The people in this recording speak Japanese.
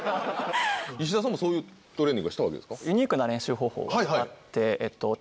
石田さんもそういうトレーニングはしたわけですか？